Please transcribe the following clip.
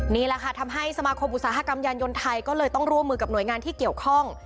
นี่แหละค่ะทำให้สมาคมอุตสาหกรรมยานยนต์ไทยก็เลยต้องร่วมมือกับหน่วยงานที่เกี่ยวข้อง